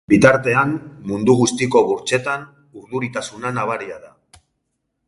Bitartean, mundu guztiko burtsetan urduritasuna nabaria da.